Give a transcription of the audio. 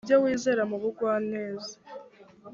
ibyo wizera mu bugwaneza